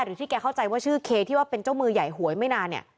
ที่แกเข้าใจว่าชื่อเคที่ว่าเป็นเจ้ามือใหญ่หวยไม่นานเนี่ย